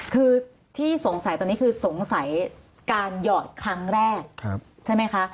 คือที่สงสัยตอนนี้คือสงสัยการหยอดครั้งแรกใช่ไหมคะ